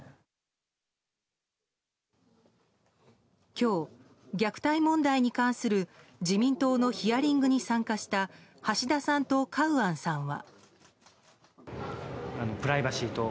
今日、虐待問題に関する自民党のヒアリングに参加した橋田さんとカウアンさんは。